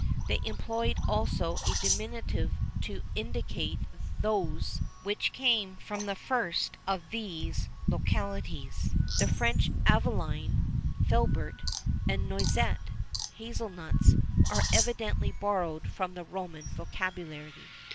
[XIV 27] They employed also a diminitive[XIV 28] to indicate those which came from the first of these localities. The French Aveline (filbert), and Noisette (hazel nuts), are evidently borrowed from the Roman vocabulary.